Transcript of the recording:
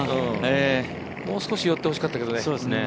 もう少し寄ってほしかったけどね。